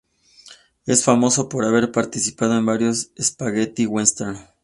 Es famoso por haber participado en varios "spaghetti westerns".